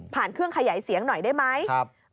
เครื่องขยายเสียงหน่อยได้ไหม